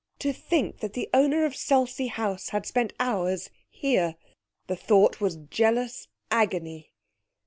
To think that the owner of Selsey House had spent hours here! The thought was jealous agony.